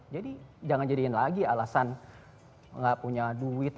jadi jangan jadiin lagi alasan enggak punya duit